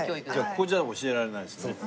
ここじゃ教えられないですね。